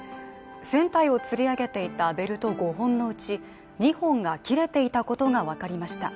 船体を釣り上げていたベルト５本のうち２本が切れていたことがわかりました。